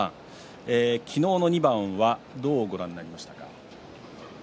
昨日の２番はどうご覧になりましたか？